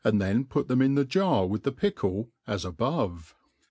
then put them in the jar with the pickle, as above.